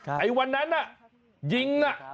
ไอ้วันนั้นน่ะยิงน่ะ